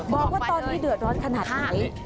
บอกว่าตอนนี้เดือดร้อนขนาดนี้